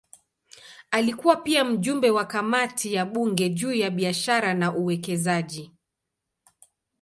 Alikuwa pia mjumbe wa kamati ya bunge juu ya biashara na uwekezaji.